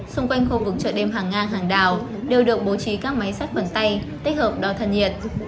xung quanh khu vực chợ đêm hàng ngang hàng đào đều được bố trí các máy sách bằng tay tích hợp đo thần nhiệt